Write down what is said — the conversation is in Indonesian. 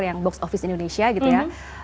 yang box office indonesia gitu ya